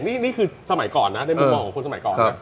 นี่คือสมัยก่อนนะในมุมมองของคนสมัยก่อน